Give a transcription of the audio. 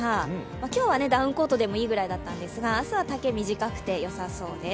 今日はダウンコートでもいいくらいだったんですけど朝は丈は短くて大丈夫です。